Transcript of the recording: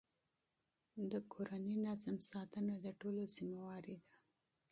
د کورني نظم ساتنه د ټولو مسئولیت دی.